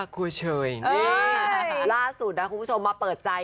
เพราะว่าโกลเชย